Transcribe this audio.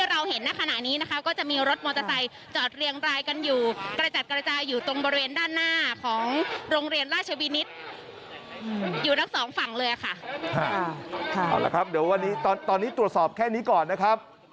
เอาละครับเดี๋ยววันนี้ตอนนี้ตรวจสอบแค่นี้ก่อนนะครับ